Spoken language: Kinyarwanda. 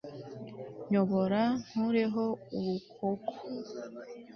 nyobora nkureho urukoko